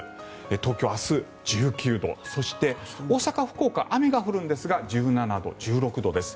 東京、明日１９度そして大阪、福岡雨が降るんですが１７度、１６度です。